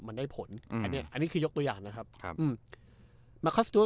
มันได้ผลอืมอันนี้อันนี้คือยกตัวอย่างนะครับครับอืมมาคอสตู